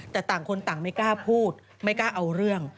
แต่ต่างคนต่างไม่กล้าพูดไม่กล้าเอาเรื่อง